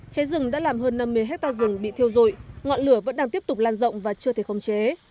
cháy rừng đã làm hơn năm mươi hectare rừng bị thiêu dụi ngọn lửa vẫn đang tiếp tục lan rộng và chưa thể khống chế